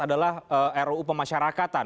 adalah ruu pemasyarakatan